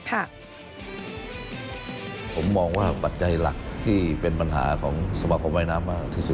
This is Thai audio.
ผมมองว่าปัจจัยหลักที่เป็นปัญหาของสมาคมว่ายน้ำมากที่สุด